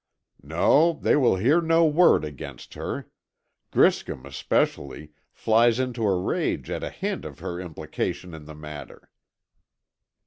"No, they will hear no word against her. Griscom, especially, flies into a rage at a hint of her implication in the matter."